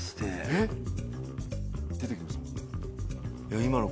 出て来ました？